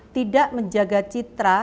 tidak menjaga citra